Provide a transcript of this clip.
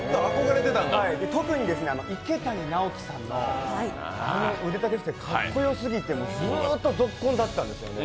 特に池谷直樹さんのあの腕立て伏せ、かっこよすぎて、ずっとゾッコンだったんですよね。